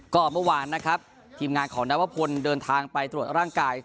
ก็เมื่อวานนะครับทีมงานของนวพลเดินทางไปตรวจร่างกาย